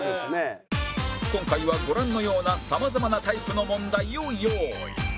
今回はご覧のような様々なタイプの問題を用意